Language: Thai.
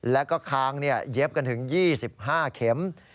แล้วก็คางเย็บกันถึง๒๕เข็ม